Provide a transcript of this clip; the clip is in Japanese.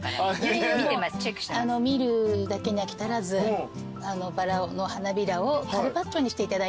見るだけに飽き足らずバラの花びらをカルパッチョにしていただいてます。